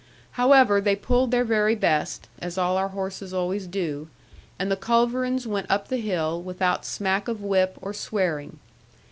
However, they pulled their very best as all our horses always do and the culverins went up the hill, without smack of whip, or swearing.